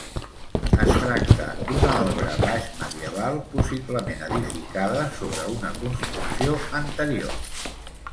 Es tracta d'una obra baixmedieval possiblement edificada sobre una construcció anterior.